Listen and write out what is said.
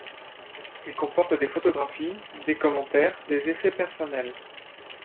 Il comporte des photographies, des commentaires, des effets personnels.